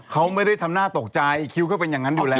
เขาไม่ได้ทำหน้าตกใจคิวก็เป็นอย่างนั้นอยู่แล้ว